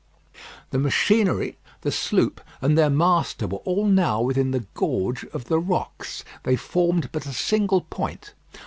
The machinery, the sloop, and their master were all now within the gorge of the rocks. They formed but a single point.